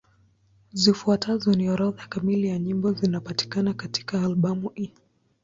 Zifuatazo ni orodha kamili ya nyimbo zinapatikana katika albamu hii.